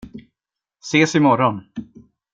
Ses i morgon.